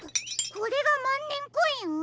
これがまんねんコイン？